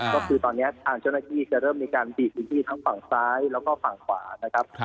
ก็คือตอนนี้ทางเจ้าหน้าที่จะเริ่มมีการบีบพื้นที่ทั้งฝั่งซ้ายแล้วก็ฝั่งขวานะครับ